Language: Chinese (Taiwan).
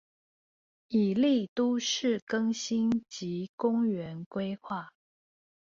以利都市更新及公園規畫